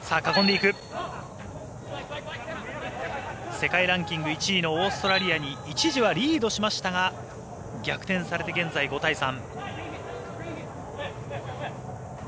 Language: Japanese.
世界ランク１位のオーストラリアに一時はリードしましたが逆転されて現在５対３。